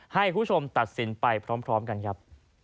ให้คุณผู้ชมตัดสินไปพร้อมกันครับ